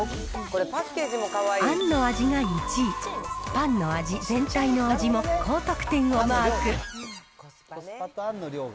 あんの味が１位、パンの味、全体の味も高得点をマーク。